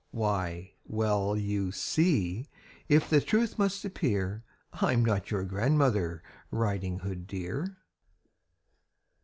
Why, well: you see if the truth must appear I'm not your grandmother, Riding Hood, dear!